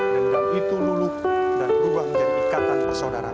dan dalam itu luluh dan lubang yang ikatkan persaudaraan